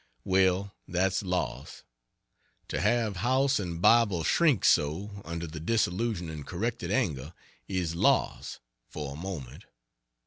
Well, that's loss. To have house and Bible shrink so, under the disillusioning corrected angle, is loss for a moment.